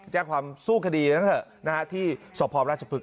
แจ้งความสู้คดีนะเถอะที่ส่วนผอมราชพฤกษ์